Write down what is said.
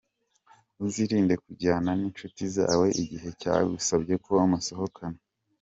Uzirinde kujyana n’inshuti zawe igihe yagusabye ko musohokana.